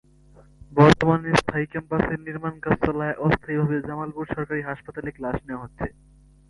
বর্তমানে স্থায়ী ক্যাম্পাসের নির্মাণ কাজ চলায় অস্থায়ী ভাবে জামালপুর সরকারী হাসপাতালে ক্লাস নেয়া হচ্ছে।